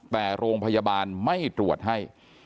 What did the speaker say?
แต่โรงพยาบาลไม่ตรวจให้